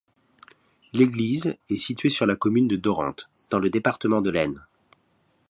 L'église est située sur la commune de Dorengt, dans le département de l'Aisne.